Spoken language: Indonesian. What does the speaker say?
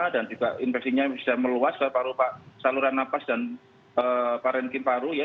dan juga infeksinya bisa meluas ke saluran nafas dan parenkin paru ya